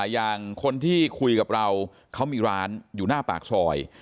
อย่างคนที่คุยกับเราเขามีร้านอยู่หน้าปากซอย